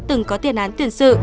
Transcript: từng có tiền án tuyển sự